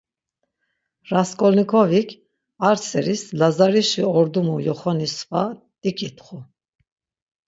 Rasǩolnikovik ar seris Lazarişi ordumu yoxoni sva diǩitxu.